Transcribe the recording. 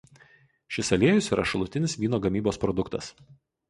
Šis aliejus yra šalutinis vyno gamybos produktas.